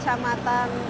jumlah penduduknya ini